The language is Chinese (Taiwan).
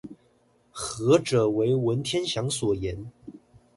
何者為文天祥所言？